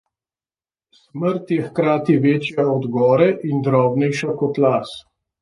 Smrt je hkrati večja od gore in drobnejša kot las.